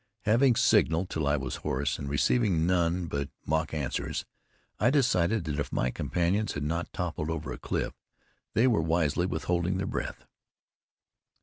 Having signaled till I was hoarse, and receiving none but mock answers, I decided that if my companions had not toppled over a cliff, they were wisely withholding their breath.